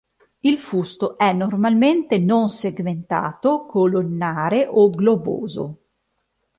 Il fusto è normalmente non segmentato, colonnare o globoso.